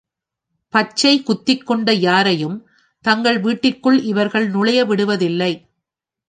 பச்சை குத்திக் கொண்ட யாரையும் தங்கள் வீட்டிற்குள் இவர்கள் நுழைய விடுவதில்லை.